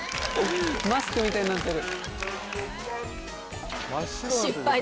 マスクみたいになってる。